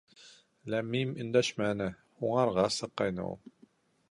Ләм-мим өндәшмәне, һунарға сыҡҡайны ул.